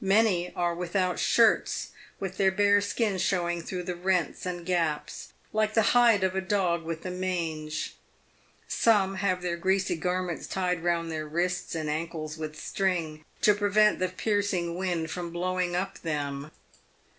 Many are without shirts ; with their bare skin showing through the rents and gaps, like the hide of a dog with the mange. Some have their greasy garments tied round their wrists and ankles with string, to prevent the piercing wind from blowing up them.